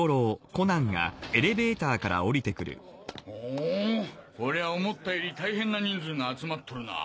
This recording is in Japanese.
おこれは思ったより大変な人数が集まっとるな。